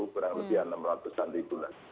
kurang lebih enam ratus an ribu lah